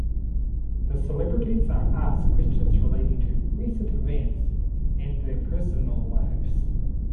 The celebrities are asked questions relating to recent events and their personal lives.